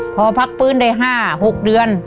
พอพักฟื้นได้๕๖เดือน